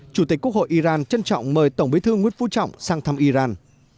chủ tịch quốc hội iran trân trọng mời tổng bí thư nguyễn phú trọng sang thăm iran